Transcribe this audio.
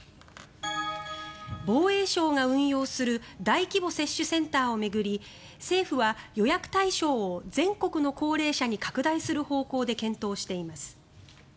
防衛省が運用する大規模接種センターを巡り政府は予約対象を全国の高齢者に拡大する方向で検討しています。